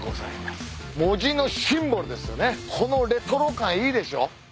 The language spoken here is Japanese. このレトロ感いいでしょ？